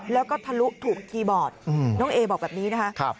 แล้วก็ทะลุถูกคีย์บอร์ดน้องเอบอกแบบนี้นะคะ